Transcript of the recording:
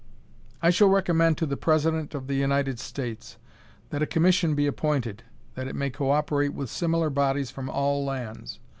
"I shall recommend to the President of the United States that a commission be appointed, that it may co operate with similar bodies from all lands.